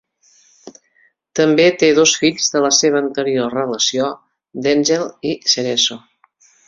També té dos fills de la seva anterior relació, Denzell i Cerezo.